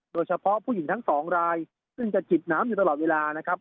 โดยเฉพาะผู้หญิงทั้งสองรายซึ่งจะจิบน้ำอยู่ตลอดเวลานะครับ